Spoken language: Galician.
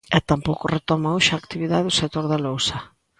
E tampouco retoma hoxe a actividade o sector da lousa.